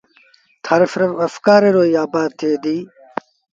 ٿر سرڦ وسڪآري تي آبآد ٿئي دو۔